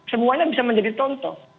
semuanya bisa menjadi tonton